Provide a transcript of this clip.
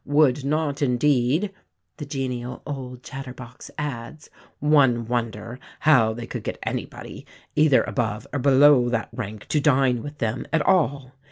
Would not indeed," the genial old chatterbox adds, "one wonder how they could get anybody, either above or below that rank, to dine with them at all?